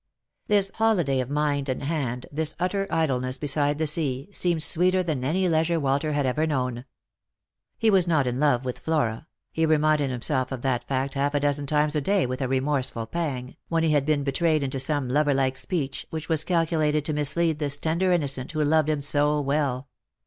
This holiday of mind and hand, this utter idleness beside the sea, seemed sweeter than any leisure Walter had ever known. He was not in love with Flora — he reminded himself of that fact half a dozen times a day with a remorseful pang, when he had been betrayed into some lover like speech, which was calculated to mislead this tender innocent who loved him so well.